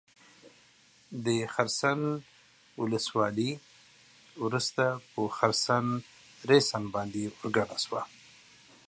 The area of Kherson Municipality was merged into Kherson Raion.